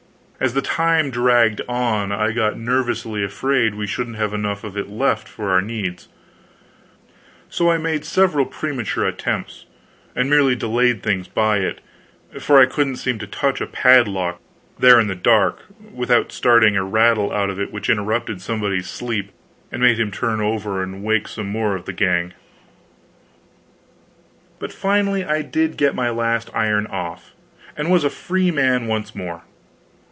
As the time dragged on I got nervously afraid we shouldn't have enough of it left for our needs; so I made several premature attempts, and merely delayed things by it; for I couldn't seem to touch a padlock, there in the dark, without starting a rattle out of it which interrupted somebody's sleep and made him turn over and wake some more of the gang. But finally I did get my last iron off, and was a free man once more.